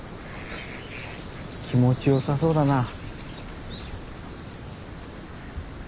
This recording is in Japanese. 気持ちよさそうだなあ。